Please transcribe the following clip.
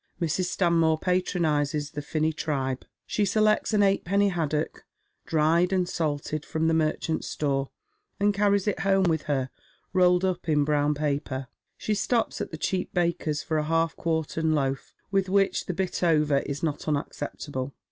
Mra. Stanmore patronizes the finny tribe. She selects an eightpenny haddock, dried and salted, from the merchant's store, and carries it home with her, rolled up in brown paper. She stops at the cheap baker's for a half quartern loaf, with which the bit over is not unacceptable.